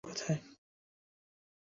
ওই গাধাটা কোথায়?